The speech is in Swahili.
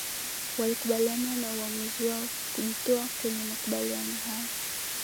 watakubaliana na uamuzi wao kujitoa kwenye makubaliano hayo